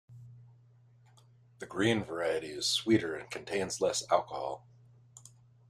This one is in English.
The green variety is sweeter and contains less alcohol.